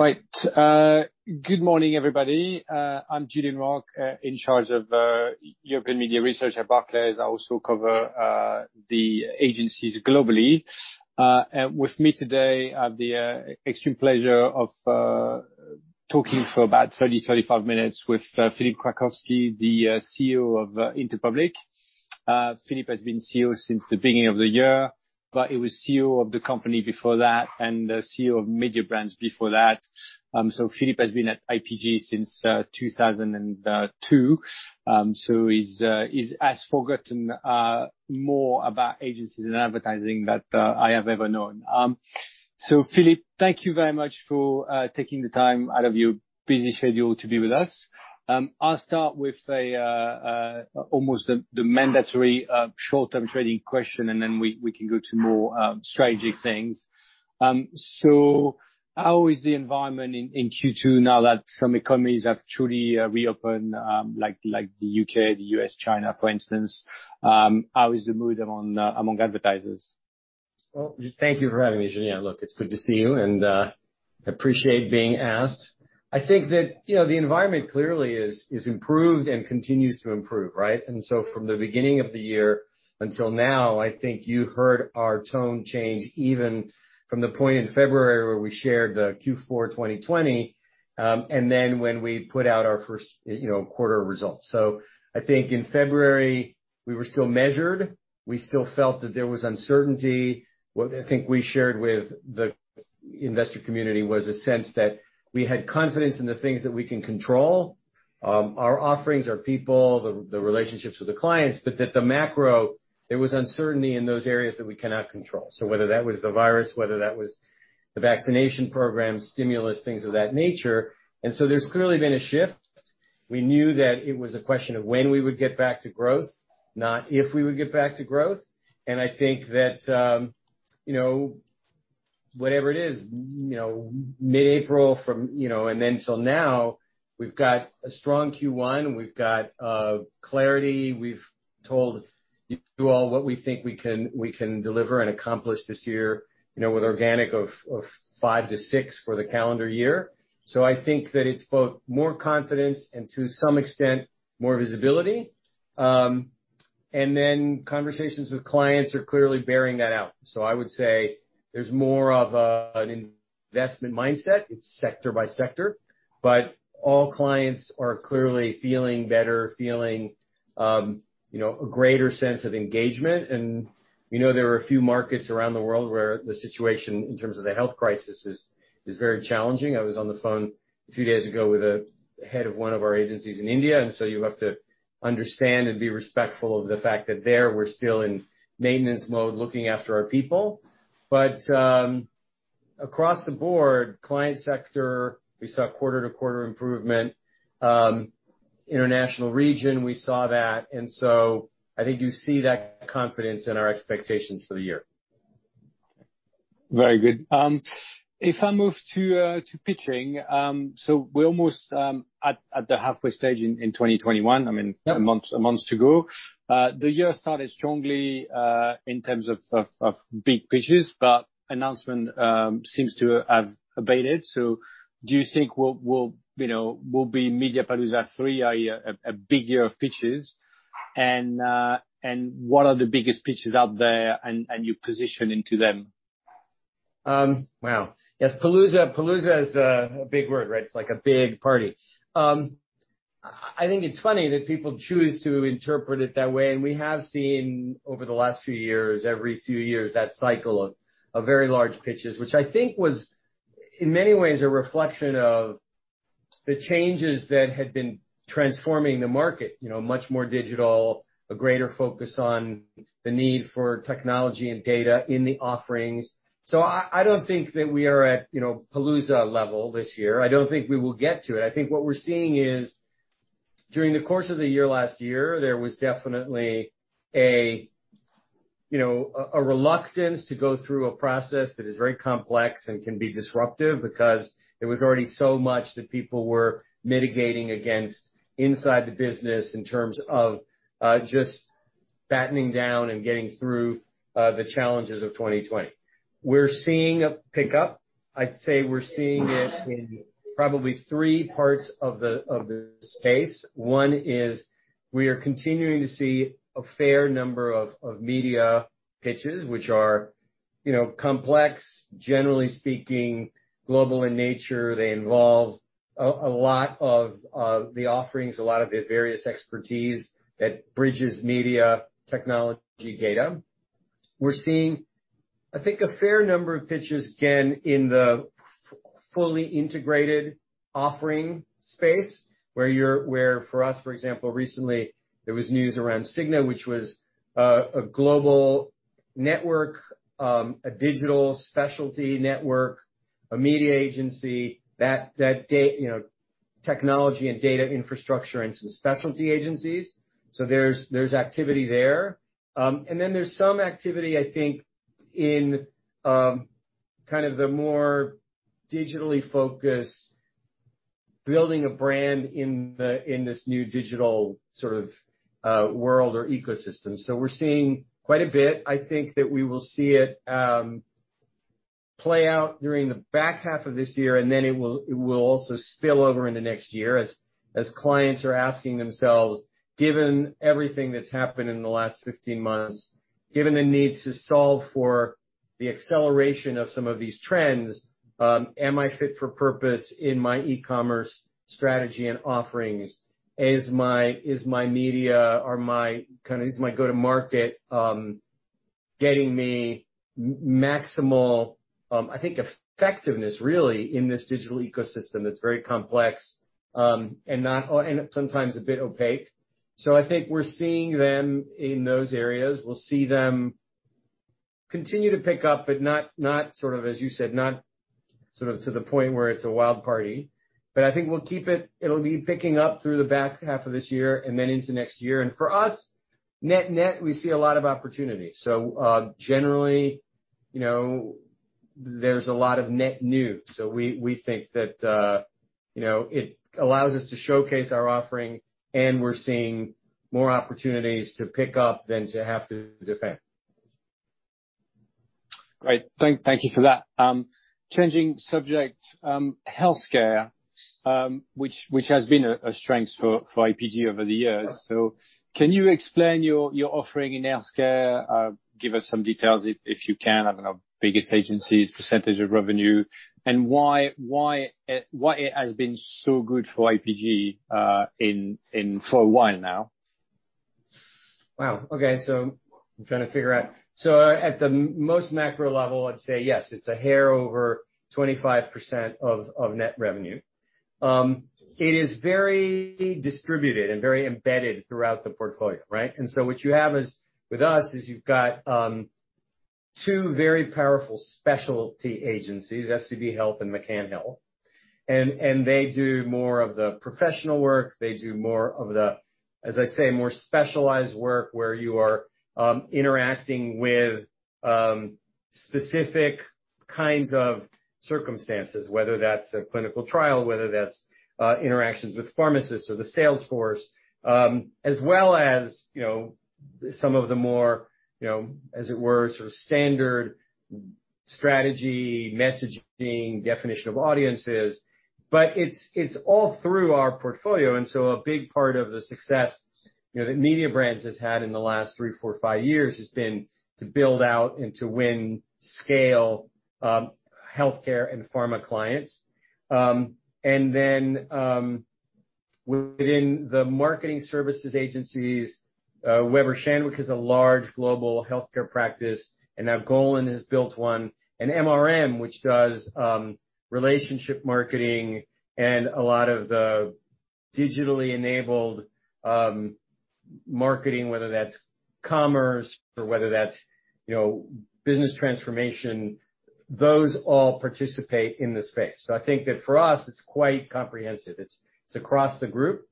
Right. Good morning, everybody. I'm Julien Roch, in charge of European Media Research at Barclays. I also cover the agencies globally. With me today, I have the extreme pleasure of talking for about 30-35 minutes with Philippe Krakowsky, the CEO of Interpublic. Philippe has been CEO since the beginning of the year, but he was CEO of the company before that and CEO of Mediabrands before that. So Philippe has been at IPG since 2002. So he's as forgotten more about agencies and advertising that I have ever known. So Philippe, thank you very much for taking the time out of your busy schedule to be with us. I'll start with almost the mandatory short-term trading question, and then we can go to more strategic things. So how is the environment in Q2 now that some economies have truly reopened, like the U.K., the U.S., China, for instance? How is the mood among advertisers? Thank you for having me, Julien. Look, it's good to see you, and I appreciate being asked. I think that the environment clearly has improved and continues to improve, right? From the beginning of the year until now, I think you heard our tone change even from the point in February where we shared the Q4 2020, and then when we put out our first quarter results. I think in February, we were still measured. We still felt that there was uncertainty. What I think we shared with the investor community was a sense that we had confidence in the things that we can control, our offerings, our people, the relationships with the clients, but that the macro, there was uncertainty in those areas that we cannot control. Whether that was the virus, whether that was the vaccination program, stimulus, things of that nature. And so there's clearly been a shift. We knew that it was a question of when we would get back to growth, not if we would get back to growth. And I think that whatever it is, mid-April and then until now, we've got a strong Q1. We've got clarity. We've told you all what we think we can deliver and accomplish this year with organic of five to six for the calendar year. So I think that it's both more confidence and, to some extent, more visibility. And then conversations with clients are clearly bearing that out. So I would say there's more of an investment mindset. It's sector by sector, but all clients are clearly feeling better, feeling a greater sense of engagement. And we know there are a few markets around the world where the situation in terms of the health crisis is very challenging. I was on the phone a few days ago with the head of one of our agencies in India. And so you have to understand and be respectful of the fact that there, we're still in maintenance mode looking after our people. But across the board, client sector, we saw quarter-to-quarter improvement. International region, we saw that. And so I think you see that confidence in our expectations for the year. Very good. If I move to pitching, so we're almost at the halfway stage in 2021. I mean, a month to go. The year started strongly in terms of big pitches, but announcement seems to have abated. So do you think we'll be Mediapalooza 3, a big year of pitches? And what are the biggest pitches out there and your position into them? Wow. Yes, Palooza is a big word, right? It's like a big party. I think it's funny that people choose to interpret it that way, and we have seen over the last few years, every few years, that cycle of very large pitches, which I think was, in many ways, a reflection of the changes that had been transforming the market, much more digital, a greater focus on the need for technology and data in the offerings, so I don't think that we are at Palooza level this year. I don't think we will get to it. I think what we're seeing is during the course of the year last year, there was definitely a reluctance to go through a process that is very complex and can be disruptive because there was already so much that people were mitigating against inside the business in terms of just battening down and getting through the challenges of 2020. We're seeing a pickup. I'd say we're seeing it in probably three parts of the space. One is we are continuing to see a fair number of media pitches, which are complex, generally speaking, global in nature. They involve a lot of the offerings, a lot of the various expertise that bridges media, technology, data. We're seeing, I think, a fair number of pitches, again, in the fully integrated offering space, where for us, for example, recently, there was news around Cigna, which was a global network, a digital specialty network, a media agency, technology and data infrastructure, and some specialty agencies. So there's activity there. And then there's some activity, I think, in kind of the more digitally focused building a brand in this new digital sort of world or ecosystem. So we're seeing quite a bit. I think that we will see it play out during the back half of this year, and then it will also spill over in the next year as clients are asking themselves, given everything that's happened in the last 15 months, given the need to solve for the acceleration of some of these trends, am I fit for purpose in my e-commerce strategy and offerings? Is my media, or kind of, is my go-to-market getting me maximal, I think, effectiveness really in this digital ecosystem that's very complex and sometimes a bit opaque? So I think we're seeing them in those areas. We'll see them continue to pick up, but not sort of, as you said, not sort of to the point where it's a wild party. But I think we'll keep it. It'll be picking up through the back half of this year and then into next year. And for us, net-net, we see a lot of opportunity. So generally, there's a lot of net new. So we think that it allows us to showcase our offering, and we're seeing more opportunities to pick up than to have to defend. Great. Thank you for that. Changing subject, healthcare, which has been a strength for IPG over the years. So can you explain your offering in healthcare? Give us some details if you can, I don't know, biggest agencies, percentage of revenue, and why it has been so good for IPG for a while now. Wow. Okay. So I'm trying to figure out, so at the most macro level, I'd say, yes, it's a hair over 25% of net revenue. It is very distributed and very embedded throughout the portfolio, right, and so what you have with us is you've got two very powerful specialty agencies, FCB Health and McCann Health, and they do more of the professional work. They do more of the, as I say, more specialized work where you are interacting with specific kinds of circumstances, whether that's a clinical trial, whether that's interactions with pharmacists or the sales force, as well as some of the more, as it were, sort of standard strategy, messaging, definition of audiences, but it's all through our portfolio. A big part of the success that Mediabrands has had in the last three, four, five years has been to build out and to win scale healthcare and pharma clients. Within the marketing services agencies, Weber Shandwick is a large global healthcare practice, and now Golin has built one, and MRM, which does relationship marketing and a lot of the digitally enabled marketing, whether that's commerce or whether that's business transformation, those all participate in the space. I think that for us, it's quite comprehensive. It's across the group.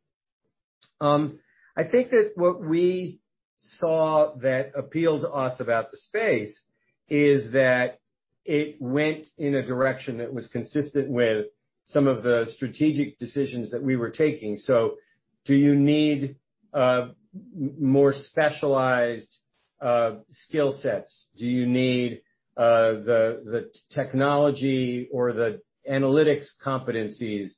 I think that what we saw that appealed to us about the space is that it went in a direction that was consistent with some of the strategic decisions that we were taking. Do you need more specialized skill sets? Do you need the technology or the analytics competencies?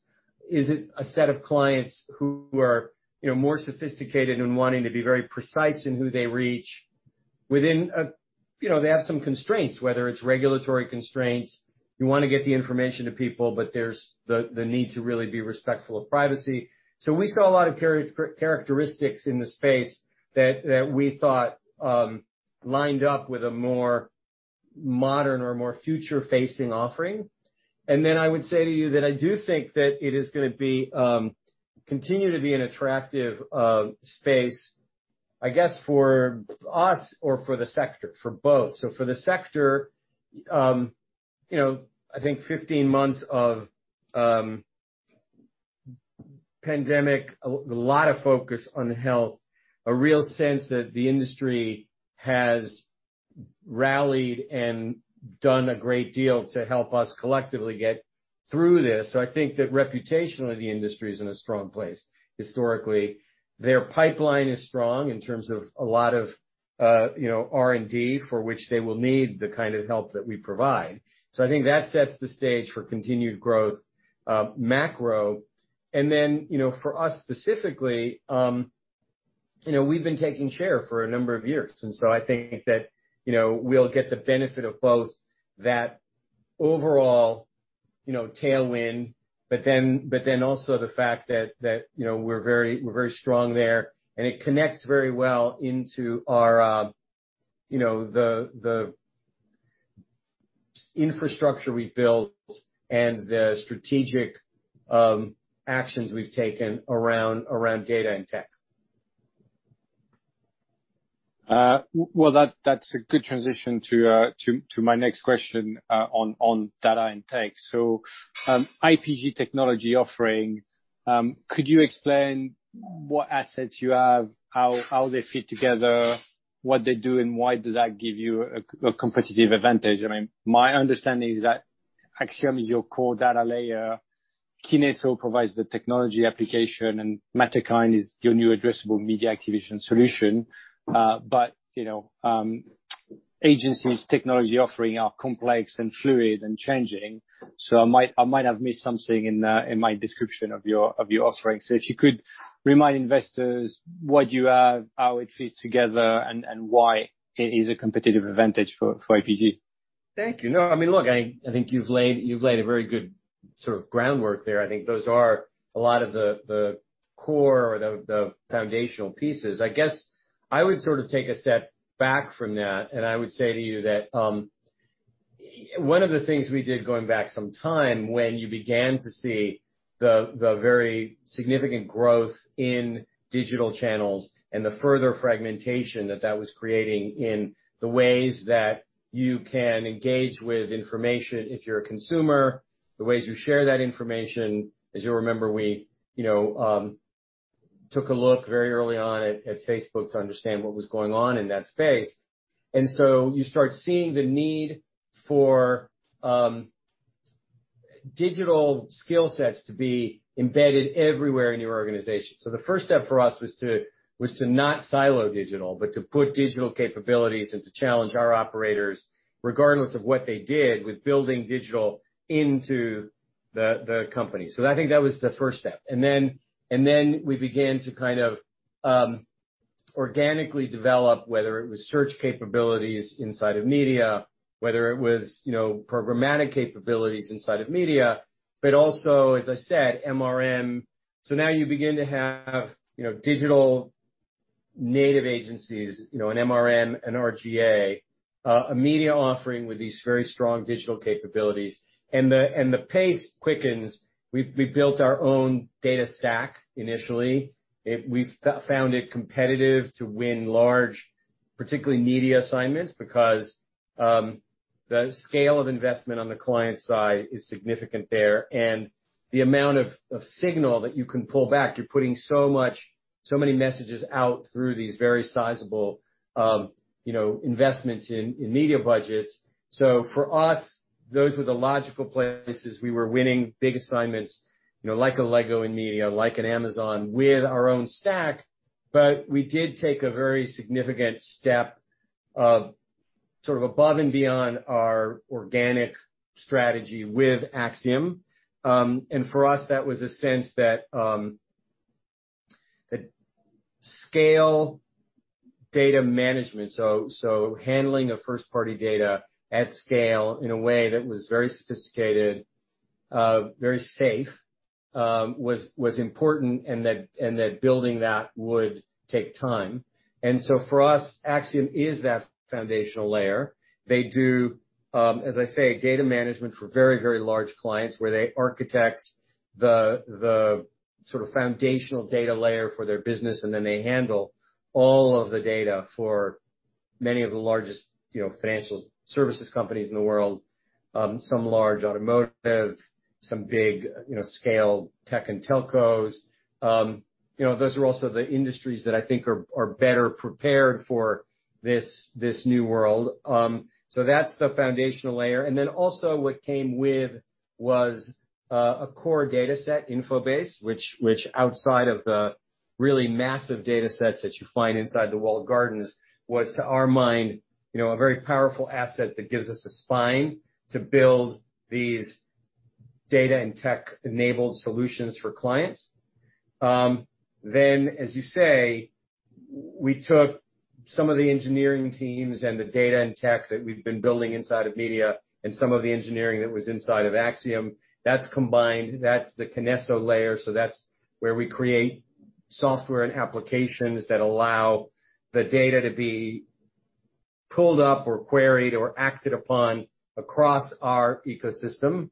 Is it a set of clients who are more sophisticated and wanting to be very precise in who they reach? They have some constraints, whether it's regulatory constraints. You want to get the information to people, but there's the need to really be respectful of privacy. So we saw a lot of characteristics in the space that we thought lined up with a more modern or more future-facing offering. And then I would say to you that I do think that it is going to continue to be an attractive space, I guess, for us or for the sector, for both. So for the sector, I think 15 months of pandemic, a lot of focus on health, a real sense that the industry has rallied and done a great deal to help us collectively get through this. So I think that reputationally, the industry is in a strong place. Historically, their pipeline is strong in terms of a lot of R&D for which they will need the kind of help that we provide. So I think that sets the stage for continued growth macro. And then for us specifically, we've been taking share for a number of years. And so I think that we'll get the benefit of both that overall tailwind, but then also the fact that we're very strong there. And it connects very well into the infrastructure we've built and the strategic actions we've taken around data and tech. That's a good transition to my next question on data and tech. IPG's technology offering, could you explain what assets you have, how they fit together, what they do, and why does that give you a competitive advantage? I mean, my understanding is that Acxiom is your core data layer. Kinesso provides the technology application, and Matterkind is your new addressable media activation solution. Agencies' technology offering are complex and fluid and changing. I might have missed something in my description of your offering. If you could remind investors what you have, how it fits together, and why it is a competitive advantage for IPG. Thank you. No, I mean, look, I think you've laid a very good sort of groundwork there. I think those are a lot of the core or the foundational pieces. I guess I would sort of take a step back from that, and I would say to you that one of the things we did going back some time when you began to see the very significant growth in digital channels and the further fragmentation that that was creating in the ways that you can engage with information if you're a consumer, the ways you share that information, as you'll remember, we took a look very early on at Facebook to understand what was going on in that space. And so you start seeing the need for digital skill sets to be embedded everywhere in your organization. The first step for us was to not silo digital, but to put digital capabilities and to challenge our operators, regardless of what they did, with building digital into the company. I think that was the first step. Then we began to kind of organically develop, whether it was search capabilities inside of media, whether it was programmatic capabilities inside of media, but also, as I said, MRM. Now you begin to have digital native agencies, an MRM, an R/GA, a media offering with these very strong digital capabilities. The pace quickens. We built our own data stack initially. We found it competitive to win large, particularly media assignments because the scale of investment on the client side is significant there. The amount of signal that you can pull back, you're putting so many messages out through these very sizable investments in media budgets. So for us, those were the logical places. We were winning big assignments like a LEGO in media, like an Amazon with our own stack. But we did take a very significant step sort of above and beyond our organic strategy with Acxiom. And for us, that was a sense that scale data management, so handling of first-party data at scale in a way that was very sophisticated, very safe, was important and that building that would take time. And so for us, Acxiom is that foundational layer. They do, as I say, data management for very, very large clients where they architect the sort of foundational data layer for their business, and then they handle all of the data for many of the largest financial services companies in the world, some large automotive, some big-scale tech and telcos. Those are also the industries that I think are better prepared for this new world. So that's the foundational layer, and then also what came with was a core data set, InfoBase, which outside of the really massive data sets that you find inside the walled gardens, was to our mind a very powerful asset that gives us a spine to build these data and tech-enabled solutions for clients, then, as you say, we took some of the engineering teams and the data and tech that we've been building inside of media and some of the engineering that was inside of Acxiom. That's combined. That's the Kinesso layer. So that's where we create software and applications that allow the data to be pulled up or queried or acted upon across our ecosystem.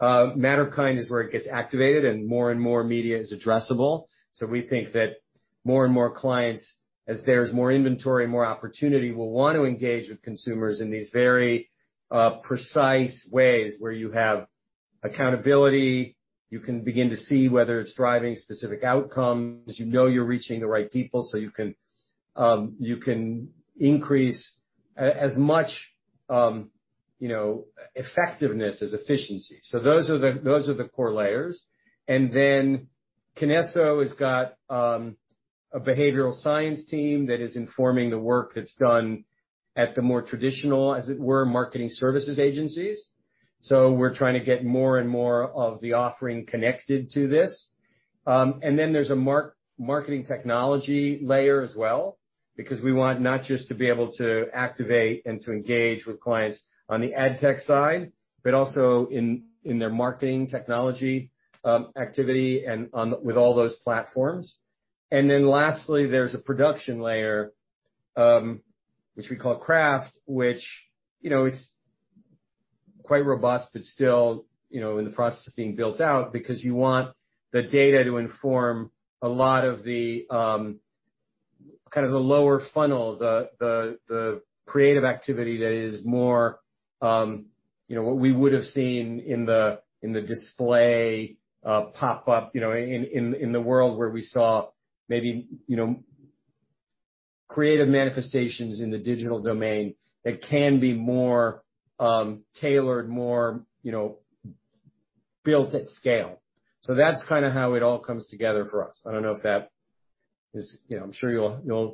Matterkind is where it gets activated, and more and more media is addressable. So we think that more and more clients, as there's more inventory, more opportunity, will want to engage with consumers in these very precise ways where you have accountability. You can begin to see whether it's driving specific outcomes. You know you're reaching the right people, so you can increase as much effectiveness as efficiency. So those are the core layers. And then Kinesso has got a behavioral science team that is informing the work that's done at the more traditional, as it were, marketing services agencies. So we're trying to get more and more of the offering connected to this. And then there's a marketing technology layer as well because we want not just to be able to activate and to engage with clients on the ad tech side, but also in their marketing technology activity and with all those platforms. And then, lastly, there's a production layer, which we call Craft, which is quite robust, but still in the process of being built out because you want the data to inform a lot of the kind of the lower funnel, the creative activity that is more what we would have seen in the display pop-up in the world where we saw maybe creative manifestations in the digital domain that can be more tailored, more built at scale. So that's kind of how it all comes together for us. I don't know if that is. I'm sure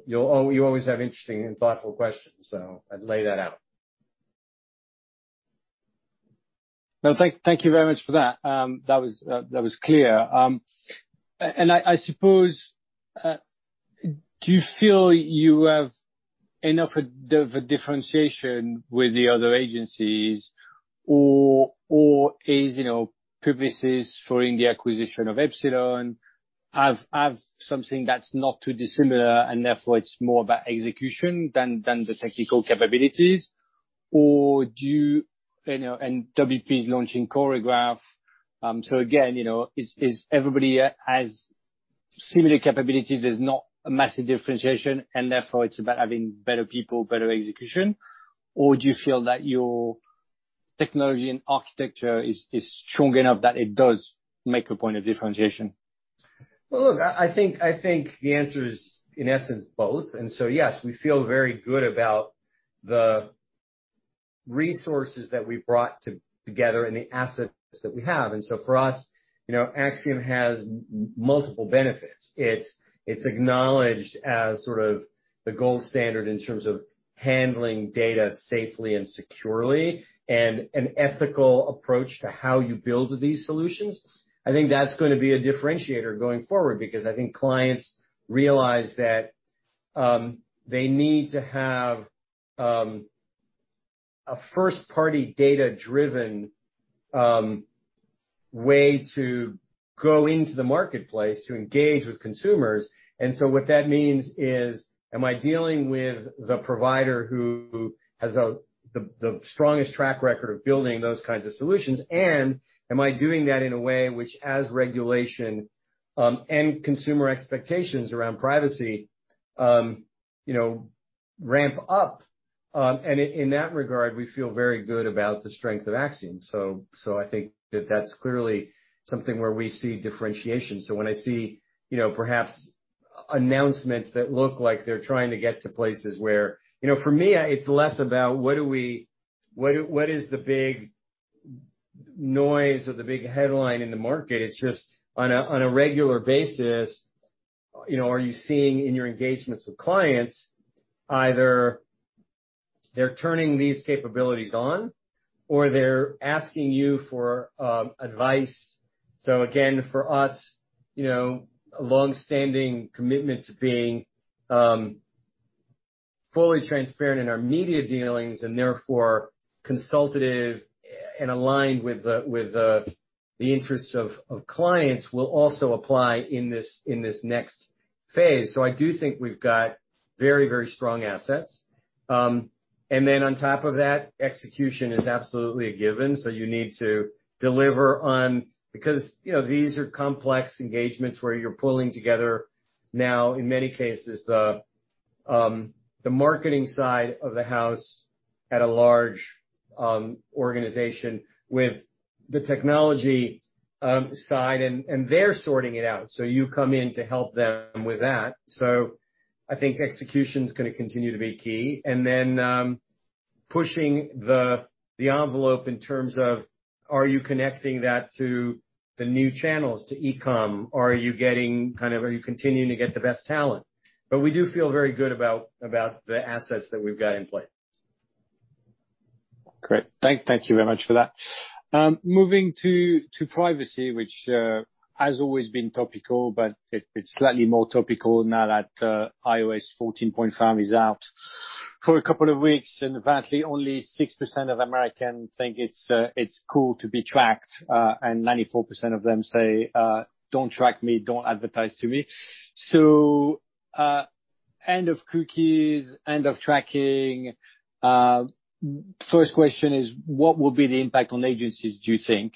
you always have interesting and thoughtful questions, so I'd lay that out. No, thank you very much for that. That was clear. I suppose, do you feel you have enough of a differentiation with the other agencies, or is Publicis' acquisition of Epsilon something that's not too dissimilar and therefore it's more about execution than the technical capabilities? Or do you [mean] WPP's launching Choreograph? So again, is everybody has similar capabilities, there's not a massive differentiation, and therefore it's about having better people, better execution? Or do you feel that your technology and architecture is strong enough that it does make a point of differentiation? Look, I think the answer is, in essence, both. And so yes, we feel very good about the resources that we brought together and the assets that we have. And so for us, Acxiom has multiple benefits. It's acknowledged as sort of the gold standard in terms of handling data safely and securely and an ethical approach to how you build these solutions. I think that's going to be a differentiator going forward because I think clients realize that they need to have a first-party data-driven way to go into the marketplace to engage with consumers. And so what that means is, am I dealing with the provider who has the strongest track record of building those kinds of solutions? And am I doing that in a way which, as regulation and consumer expectations around privacy ramp up? And in that regard, we feel very good about the strength of Acxiom. So I think that that's clearly something where we see differentiation. So when I see perhaps announcements that look like they're trying to get to places where, for me, it's less about what is the big noise or the big headline in the market. It's just on a regular basis, are you seeing in your engagements with clients, either they're turning these capabilities on or they're asking you for advice? So again, for us, a long-standing commitment to being fully transparent in our media dealings and therefore consultative and aligned with the interests of clients will also apply in this next phase. So I do think we've got very, very strong assets. And then on top of that, execution is absolutely a given. So you need to deliver on because these are complex engagements where you're pulling together now, in many cases, the marketing side of the house at a large organization with the technology side and they're sorting it out. So you come in to help them with that. So I think execution is going to continue to be key. And then pushing the envelope in terms of, are you connecting that to the new channels, to e-com? Are you continuing to get the best talent? But we do feel very good about the assets that we've got in place. Great. Thank you very much for that. Moving to privacy, which has always been topical, but it's slightly more topical now that iOS 14.5 is out for a couple of weeks, and apparently, only 6% of Americans think it's cool to be tracked, and 94% of them say, "Don't track me. Don't advertise to me," so end of cookies, end of tracking. First question is, what will be the impact on agencies, do you think?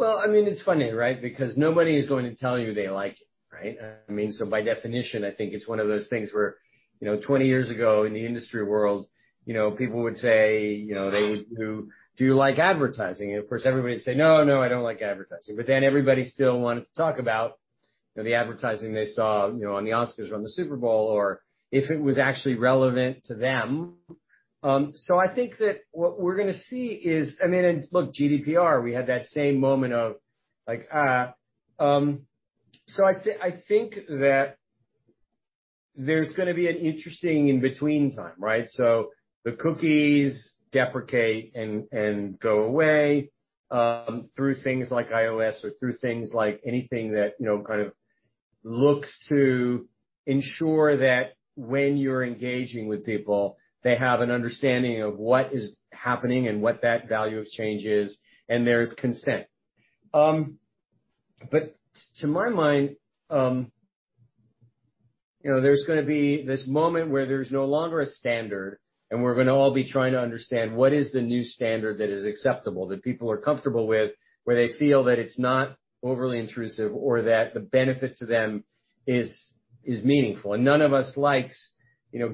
I mean, it's funny, right? Because nobody is going to tell you they like it, right? I mean, so by definition, I think it's one of those things where 20 years ago in the industry world, people would say they would do, "Do you like advertising?" And of course, everybody would say, "No, no, I don't like advertising." But then everybody still wanted to talk about the advertising they saw on the Oscars or on the Super Bowl or if it was actually relevant to them. So I think that what we're going to see is, I mean, and look, GDPR, we had that same moment of like, so I think that there's going to be an interesting in-between time, right? The cookies deprecate and go away through things like iOS or through things like anything that kind of looks to ensure that when you're engaging with people, they have an understanding of what is happening and what that value exchange is, and there's consent. But to my mind, there's going to be this moment where there's no longer a standard, and we're going to all be trying to understand what is the new standard that is acceptable, that people are comfortable with, where they feel that it's not overly intrusive or that the benefit to them is meaningful. None of us likes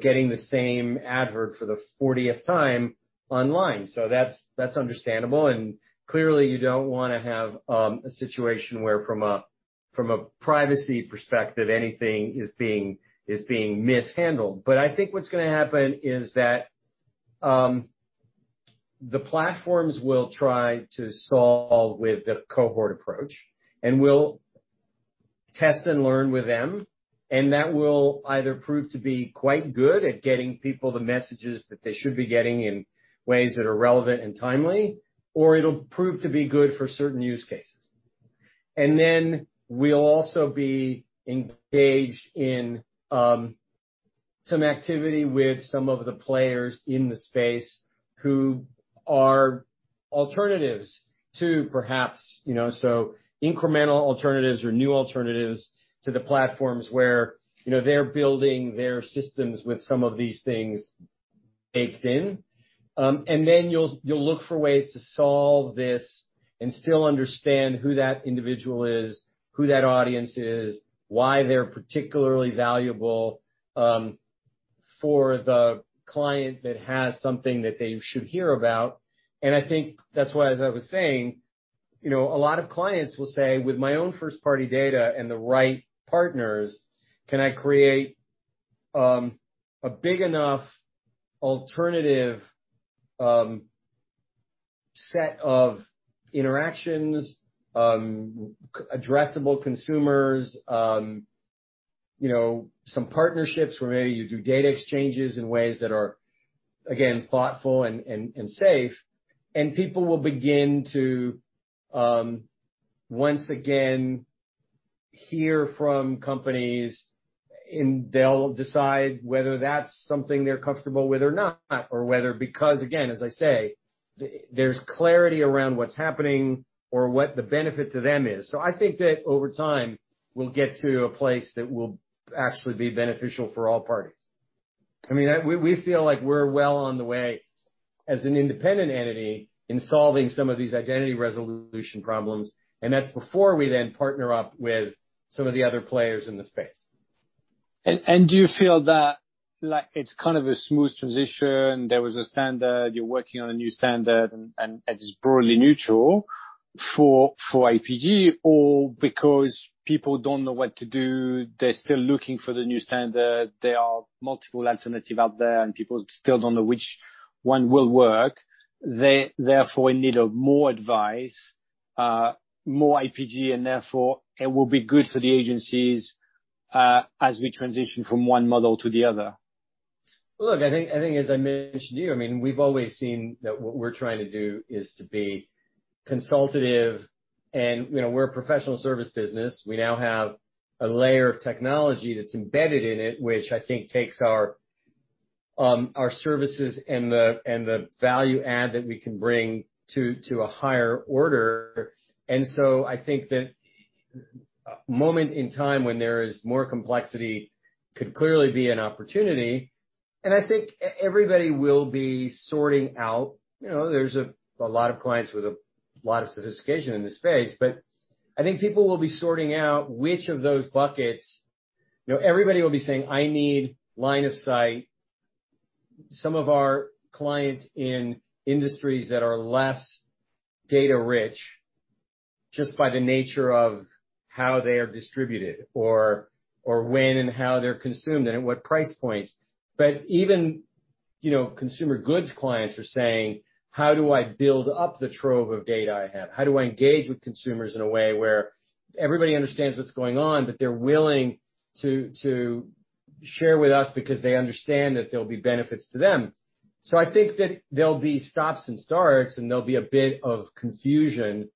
getting the same advert for the 40th time online. That's understandable. Clearly, you don't want to have a situation where, from a privacy perspective, anything is being mishandled. But I think what's going to happen is that the platforms will try to solve with the cohort approach and will test and learn with them. And that will either prove to be quite good at getting people the messages that they should be getting in ways that are relevant and timely, or it'll prove to be good for certain use cases. And then we'll also be engaged in some activity with some of the players in the space who are alternatives to perhaps so incremental alternatives or new alternatives to the platforms where they're building their systems with some of these things baked in. And then you'll look for ways to solve this and still understand who that individual is, who that audience is, why they're particularly valuable for the client that has something that they should hear about. And I think that's why, as I was saying, a lot of clients will say, "With my own first-party data and the right partners, can I create a big enough alternative set of interactions, addressable consumers, some partnerships where maybe you do data exchanges in ways that are, again, thoughtful and safe?" And people will begin to once again hear from companies, and they'll decide whether that's something they're comfortable with or not, or whether because, again, as I say, there's clarity around what's happening or what the benefit to them is. So I think that over time, we'll get to a place that will actually be beneficial for all parties. I mean, we feel like we're well on the way as an independent entity in solving some of these identity resolution problems. And that's before we then partner up with some of the other players in the space. And do you feel that it's kind of a smooth transition? There was a standard. You're working on a new standard, and it is broadly neutral for IPG, or because people don't know what to do, they're still looking for the new standard, there are multiple alternatives out there, and people still don't know which one will work, they're therefore in need of more advice, more IPG, and therefore it will be good for the agencies as we transition from one model to the other? Well, look, I think, as I mentioned to you, I mean, we've always seen that what we're trying to do is to be consultative. And we're a professional service business. We now have a layer of technology that's embedded in it, which I think takes our services and the value add that we can bring to a higher order. And so I think that a moment in time when there is more complexity could clearly be an opportunity. And I think everybody will be sorting out. There's a lot of clients with a lot of sophistication in this space, but I think people will be sorting out which of those buckets. Everybody will be saying, "I need line of sight." Some of our clients in industries that are less data-rich just by the nature of how they are distributed or when and how they're consumed and at what price points. But even consumer goods clients are saying, "How do I build up the trove of data I have? How do I engage with consumers in a way where everybody understands what's going on, but they're willing to share with us because they understand that there'll be benefits to them?" So I think that there'll be stops and starts, and there'll be a bit of confusion,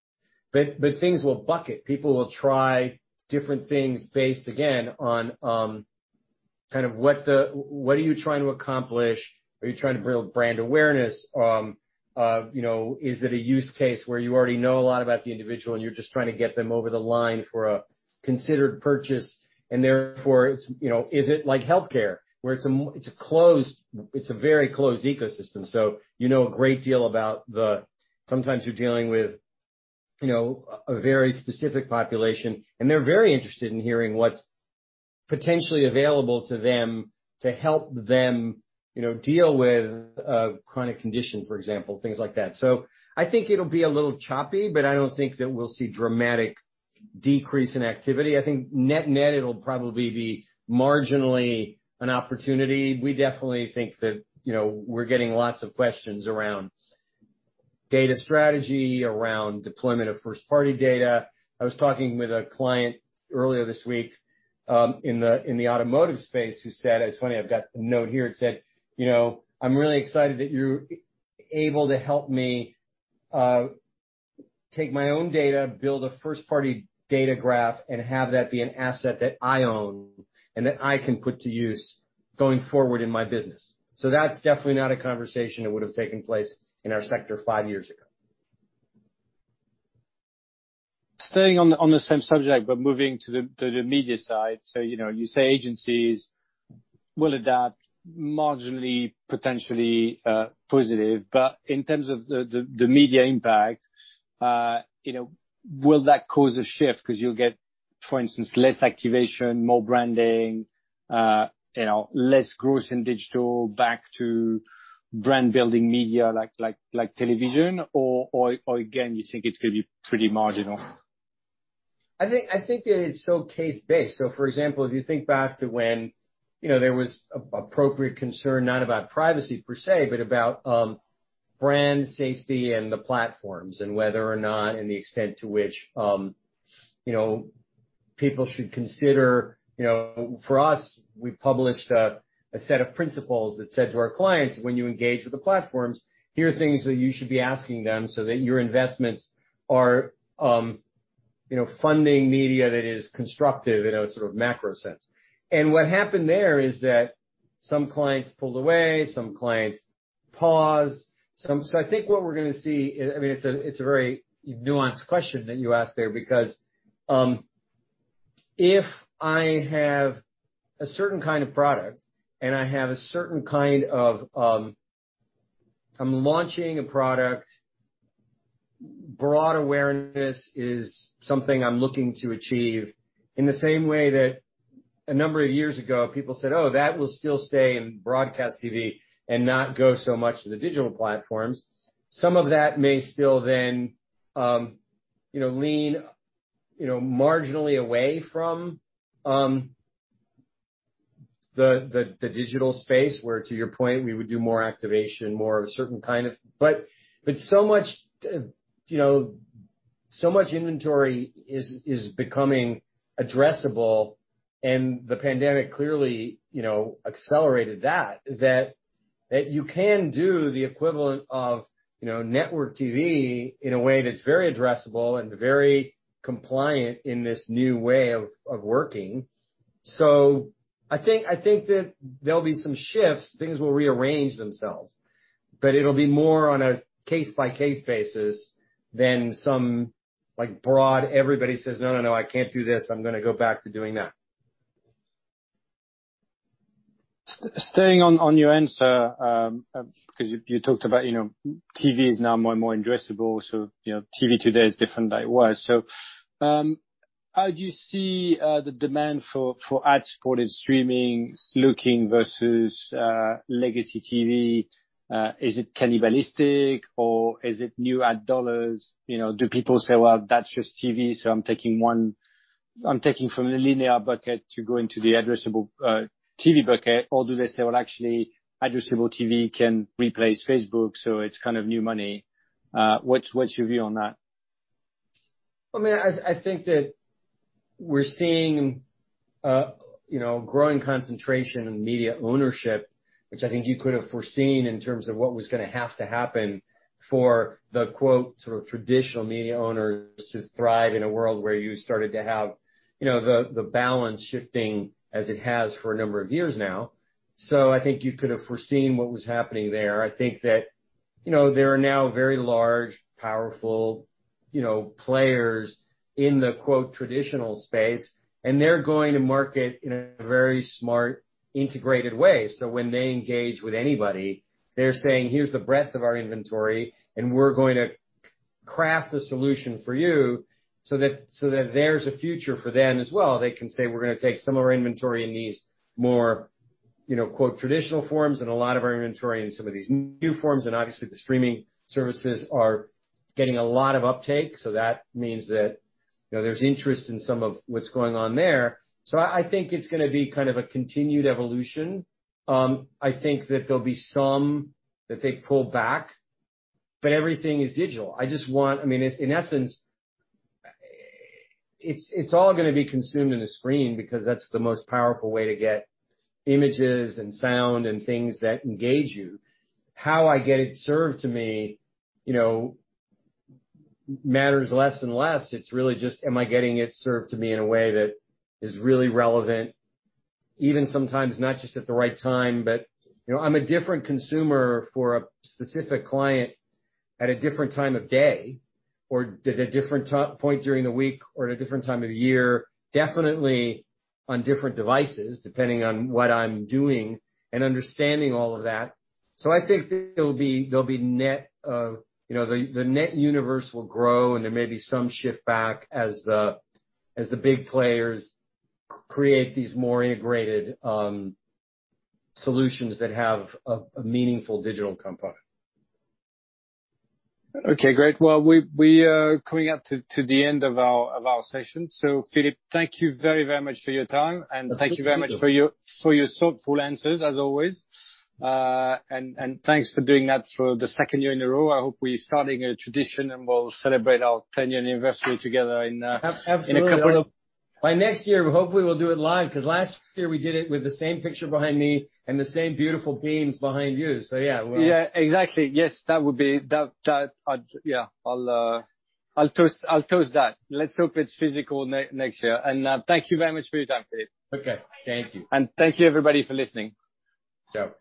but things will bucket. People will try different things based, again, on kind of what are you trying to accomplish? Are you trying to build brand awareness? Is it a use case where you already know a lot about the individual and you're just trying to get them over the line for a considered purchase? And therefore, is it like healthcare where it's a very closed ecosystem? So you know a great deal about the sometimes you're dealing with a very specific population, and they're very interested in hearing what's potentially available to them to help them deal with a chronic condition, for example, things like that. So I think it'll be a little choppy, but I don't think that we'll see a dramatic decrease in activity. I think net net, it'll probably be marginally an opportunity. We definitely think that we're getting lots of questions around data strategy, around deployment of first-party data. I was talking with a client earlier this week in the automotive space who said, "It's funny, I've got a note here." It said, "I'm really excited that you're able to help me take my own data, build a first-party data graph, and have that be an asset that I own and that I can put to use going forward in my business." So that's definitely not a conversation that would have taken place in our sector five years ago. Staying on the same subject, but moving to the media side. So you say agencies will adapt marginally, potentially positive. But in terms of the media impact, will that cause a shift? Because you'll get, for instance, less activation, more branding, less growth in digital back to brand-building media like television, or again, you think it's going to be pretty marginal? I think that it's so case-based. So for example, if you think back to when there was appropriate concern, not about privacy per se, but about brand safety and the platforms and whether or not and the extent to which people should consider. For us, we published a set of principles that said to our clients, "When you engage with the platforms, here are things that you should be asking them so that your investments are funding media that is constructive in a sort of macro sense." And what happened there is that some clients pulled away, some clients paused. So I think what we're going to see is. I mean, it's a very nuanced question that you asked there because if I have a certain kind of product and I have a certain kind of I'm launching a product, broad awareness is something I'm looking to achieve in the same way that a number of years ago, people said, "Oh, that will still stay in broadcast TV and not go so much to the digital platforms." Some of that may still then lean marginally away from the digital space where, to your point, we would do more activation, more of a certain kind of. But so much inventory is becoming addressable, and the pandemic clearly accelerated that, that you can do the equivalent of network TV in a way that's very addressable and very compliant in this new way of working. So I think that there'll be some shifts. Things will rearrange themselves, but it'll be more on a case-by-case basis than some broad everybody says, "No, no, no, I can't do this. I'm going to go back to doing that. Staying on your answer, because you talked about TV is now more and more addressable, so TV today is different than it was. So how do you see the demand for ad-supported streaming looking versus legacy TV? Is it cannibalistic, or is it new ad dollars? Do people say, "Well, that's just TV, so I'm taking from the linear bucket to go into the addressable TV bucket," or do they say, "Well, actually, addressable TV can replace Facebook, so it's kind of new money"? What's your view on that? Well, I mean, I think that we're seeing a growing concentration in media ownership, which I think you could have foreseen in terms of what was going to have to happen for the, quote, sort of traditional media owners to thrive in a world where you started to have the balance shifting as it has for a number of years now. So I think you could have foreseen what was happening there. I think that there are now very large, powerful players in the, quote, traditional space, and they're going to market in a very smart, integrated way. So when they engage with anybody, they're saying, "Here's the breadth of our inventory, and we're going to craft a solution for you so that there's a future for them as well." They can say, "We're going to take some of our inventory in these more, quote, traditional forms and a lot of our inventory in some of these new forms." And obviously, the streaming services are getting a lot of uptake, so that means that there's interest in some of what's going on there. So I think it's going to be kind of a continued evolution. I think that there'll be some that they pull back, but everything is digital. I mean, in essence, it's all going to be consumed in a screen because that's the most powerful way to get images and sound and things that engage you. How I get it served to me matters less and less. It's really just, am I getting it served to me in a way that is really relevant, even sometimes not just at the right time, but I'm a different consumer for a specific client at a different time of day or at a different point during the week or at a different time of year, definitely on different devices depending on what I'm doing and understanding all of that. So I think there'll be net, the net universe will grow, and there may be some shift back as the big players create these more integrated solutions that have a meaningful digital component. Okay, great. Well, we are coming up to the end of our session. So, Philippe, thank you very, very much for your time, and thank you very much for your thoughtful answers, as always. And thanks for doing that for the second year in a row. I hope we're starting a tradition, and we'll celebrate our 10-year anniversary together in a couple of. Absolutely. By next year, hopefully, we'll do it live because last year, we did it with the same picture behind me and the same beautiful beams behind you. So yeah. Yeah, exactly. Yes, that would be yeah, I'll toast that. Let's hope it's physical next year. And thank you very much for your time, Philippe. Okay. Thank you. Thank you, everybody, for listening. Ciao.